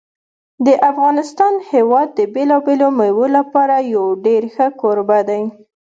د افغانستان هېواد د بېلابېلو مېوو لپاره یو ډېر ښه کوربه دی.